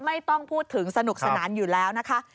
ไม่ต้องพูดถึงสนุกสนานอยู่แล้วนะคะ